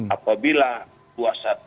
apabila dua sat